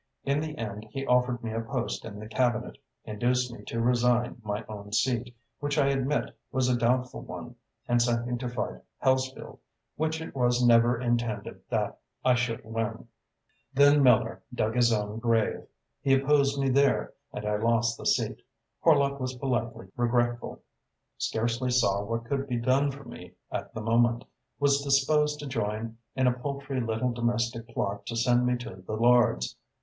In the end he offered me a post in the Cabinet, induced me to resign my own seat, which I admit was a doubtful one, and sent me to fight Hellesfield, which it was never intended that I should win. Then Miller dug his own grave. He opposed me there and I lost the seat. Horlock was politely regretful, scarcely saw what could be done for me at the moment, was disposed to join in a paltry little domestic plot to send me to the Lords.